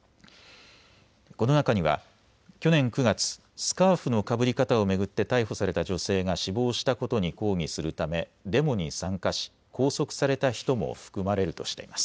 この中には去年９月、スカーフのかぶり方を巡って逮捕された女性が死亡したことに抗議するためデモに参加し拘束された人も含まれるとしています。